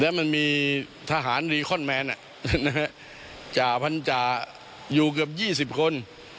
แล้วมันมีทหารรีคอนแมนจ่าพันธาอยู่เกือบ๒๐คน